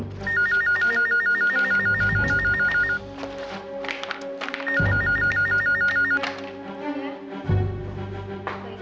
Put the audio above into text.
tagian sewa gedung